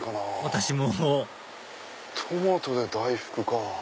私もトマトで大福か。